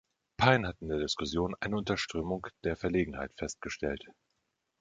Pyne hat in der Diskussion eine Unterströmung der Verlegenheit festgestellt.